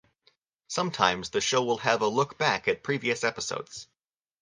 Sometimes the show will have a look back at previous episodes.